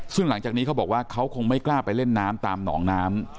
ซึ่งหลังจากนี้เขาบอกว่าเขาคงไม่กล้าไปเล่นน้ำตามหนองน้ำ